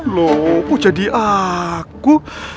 loh kok jadi aku